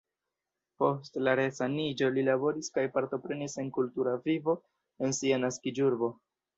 Post la resaniĝo li laboris kaj partoprenis en kultura vivo en sia naskiĝurbo.